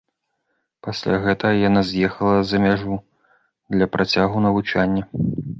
Пасля гэтага яна з'ехала за мяжу для працягу навучання.